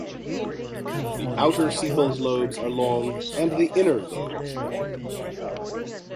The outer sepals lobes are long and the inner lobes long.